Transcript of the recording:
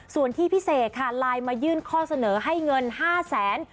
ส่วนที่พี่เสกค่ะไลน์มายื่นข้อเสนอให้เงิน๕แสน